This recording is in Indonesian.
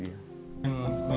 menyakit itu sekali